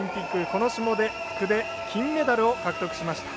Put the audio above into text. この種目で金メダルを獲得しました。